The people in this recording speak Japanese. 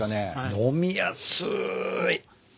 飲みやすい。